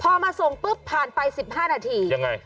พอมาส่งปุ๊บผ่านไป๑๕นาทียังไง